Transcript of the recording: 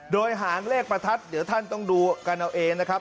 โดยหางเลขประทัดเดี๋ยวท่านต้องดูกันเอาเองนะครับ